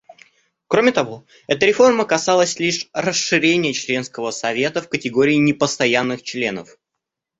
Кроме того, эта реформа касалась лишь расширения членского состава Совета в категории непостоянных членов.